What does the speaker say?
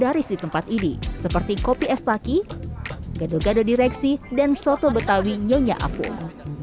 berdaris di tempat ini seperti kopi estaki gado gado direksi dan soto betawi nyonya afung